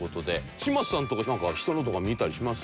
嶋佐さんとかなんか人のとか見たりします？